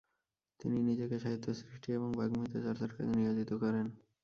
তিনি নিজেকে সাহিত্য সৃষ্টি এবং বাগ্মীতা চর্চার কাজে নিয়োজিত করেন।